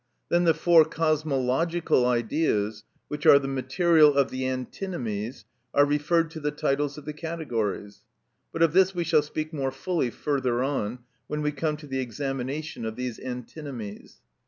Then the four cosmological Ideas, which are the material of the antinomies, are referred to the titles of the categories; but of this we shall speak more fully further on, when we come to the examination of these antinomies.